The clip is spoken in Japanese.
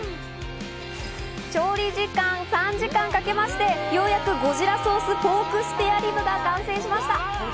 調理時間３時間かけまして、ようやくゴジラソースポークスペアリブが完成しました。